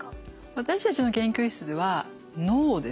私たちの研究室では脳です。